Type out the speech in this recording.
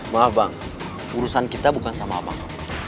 maaf bang urusan kita bukan sama abang